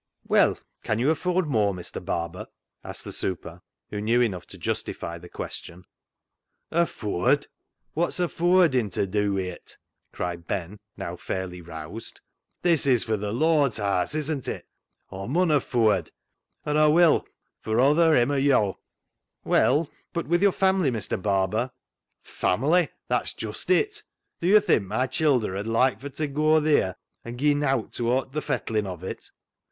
" Well, can you afford more, Mr. Barber ?" asked the " super," who knew enough to justify the question. " Affooard ! Wot's affooarding to dew wi' it ?" cried Ben, now fairly roused. " This is fur th' Lord's haase, isn't it ? Aw mun affooard, an' Aw will, fur oather him or yo' !"" Well, but, with your family, Mr. Barber "—" Family ! that's just it. Dew yo' think my childer 'ud loike fur t' goa theer, an' gie nowt towart th' fettlin' on it?